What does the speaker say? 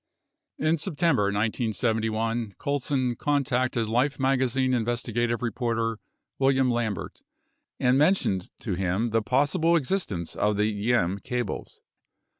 47 In September 1971, Colson contacted Life magazine investigative reporter William Lambert and mentioned to him the possible existence of the Diem cables.